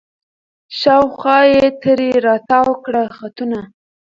شاوخوا یې ترې را تاوکړله خطونه